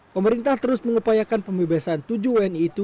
pemerintah terus mengupayakan pembebasan tujuh wni itu